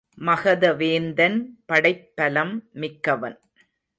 மகதவேந்தன் படைப் பலம் மிக்கவன்.